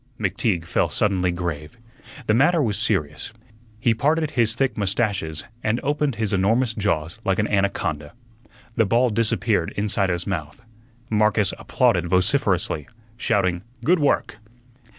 McTeague fell suddenly grave. The matter was serious. He parted his thick mustaches and opened his enormous jaws like an anaconda. The ball disappeared inside his mouth. Marcus applauded vociferously, shouting, "Good work!"